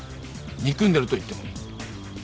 憎んでると言ってもいい。